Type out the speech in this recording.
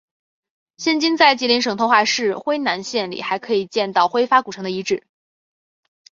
现今在吉林省通化市辉南县里还可以见到辉发古城的遗址。